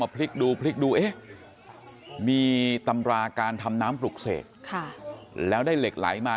พลิกดูพลิกดูเอ๊ะมีตำราการทำน้ำปลุกเสกแล้วได้เหล็กไหลมา